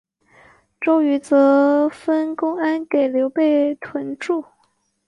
周瑜则分公安给刘备屯驻。